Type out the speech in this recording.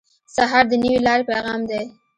سهار د نوې لارې پیغام دی.